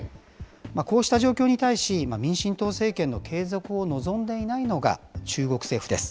こうした状況に対し、民進党政権の継続を望んでいないのが中国政府です。